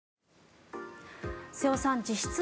瀬尾さん実質